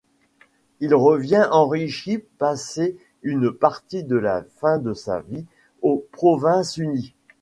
Il revient enrichi passer une partie de la fin de sa vie aux Provinces-Unies.